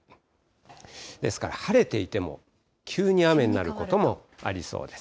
ですから晴れていても、急に雨になることもありそうです。